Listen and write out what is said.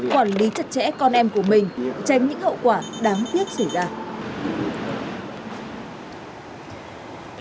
quản lý chặt chẽ con em của mình tránh những hậu quả đáng tiếc xảy ra